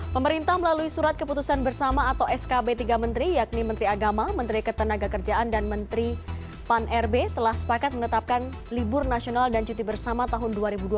pemerintah melalui surat keputusan bersama atau skb tiga menteri yakni menteri agama menteri ketenaga kerjaan dan menteri pan rb telah sepakat menetapkan libur nasional dan cuti bersama tahun dua ribu dua puluh